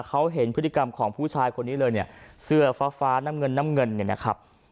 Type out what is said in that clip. เขาเห็นพฤติกรรมของผู้ชายคนนี้เลยเนี่ยเสื้อฟ้าฟ้าน้ำเงินน้ำเงินเนี่ยนะครับ